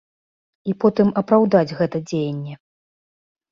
І потым апраўдаць гэта дзеянне.